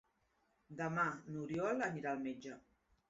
Demà n'Oriol anirà al metge.